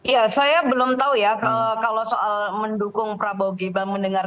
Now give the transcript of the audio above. ya saya belum tahu ya kalau soal mendukung prabowo gibran mendengar